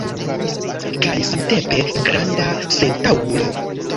Kaj samtempe granda sentaŭgulo!